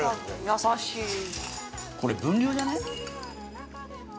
優しいこれ分量じゃね？